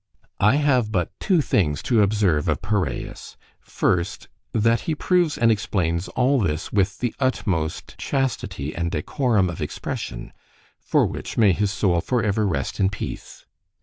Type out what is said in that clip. I have but two things to observe of Paraeus; first, That he proves and explains all this with the utmost chastity and decorum of expression:—for which may his soul for ever rest in peace!